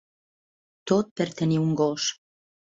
Tot per tenir un gos.